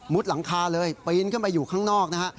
หลังคาเลยปีนขึ้นไปอยู่ข้างนอกนะฮะ